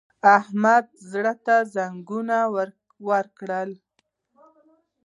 احمد زړه ته زنګنونه ورکړل!